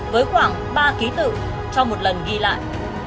với khoảng ba ký tự trong một lần ghi lại